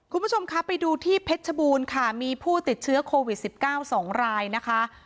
คุณผู้ชมคะไปดูที่เพชรชบูรณ์ค่ะมีผู้ติดเชื้อโควิด๑๙๒รายนะคะ